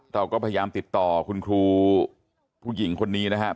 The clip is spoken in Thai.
เราก็พยายามติดต่อคุณครูผู้หญิงคนนี้นะครับ